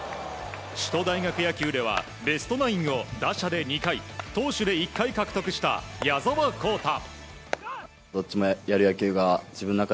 首都大学野球ではベストナインを打者で２回投手で１回獲得した矢澤宏太。